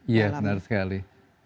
ya benar sekali